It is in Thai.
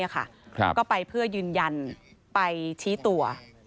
ก็ไปเพื่อยืนยันไปชี้ตัว